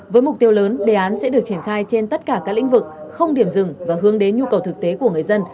với mục tiêu lớn đề án sẽ được triển khai trên tất cả các lĩnh vực không điểm dừng và hướng đến nhu cầu thực tế của người dân